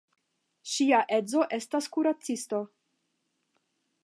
Ŝia edzo estas kuracisto.